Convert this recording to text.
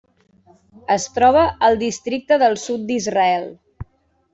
Es troba al districte del Sud d'Israel.